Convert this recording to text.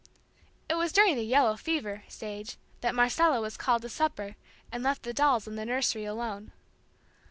It was during the "yellow fever" stage that Marcella was called to supper and left the dolls in the nursery alone.